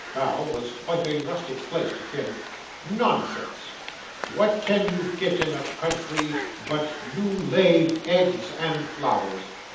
(Bow was quite a rustic place to Tim.) 'Nonsense! What can you get in the country but new laid eggs and flowers?